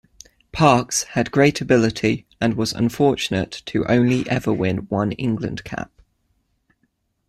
Parkes had great ability, and was unfortunate to only ever win one England cap.